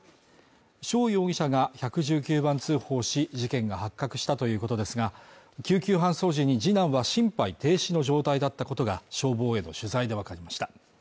翔容疑者が１１９番通報し事件が発覚したということですが、救急搬送時に次男は心肺停止の状態だったことが消防への取材でわかりました。